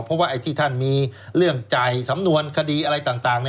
เพราะว่าไอ้ที่ท่านมีเรื่องจ่ายสำนวนคดีอะไรต่าง